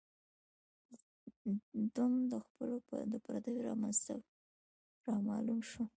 ذم د خپلو د پرديو را معلوم شو